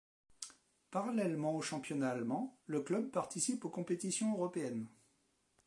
Parallèlement au championnat allemand, le club participe aux compétitions Européenne.